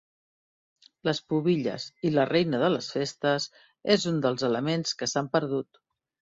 Les pubilles i la Reina de les Festes és un dels elements que s'han perdut.